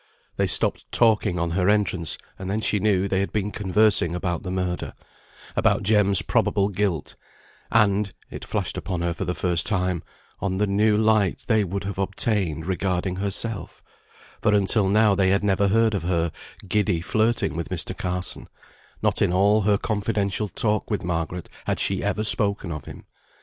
They stopped talking on her entrance, and then she knew they had been conversing about the murder; about Jem's probable guilt; and (it flashed upon her for the first time) on the new light they would have obtained regarding herself: for until now they had never heard of her giddy flirting with Mr. Carson; not in all her confidential talk with Margaret had she ever spoken of him.